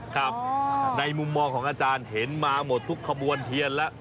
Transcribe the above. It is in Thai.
ครับในมุมมองของอาจารย์เห็นมาหมดทุกขบวนเทียนแล้ว